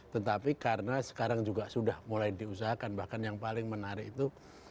tetapi karena sekarang juga sudah mulai diusahakan bahkan yang paling menarik itu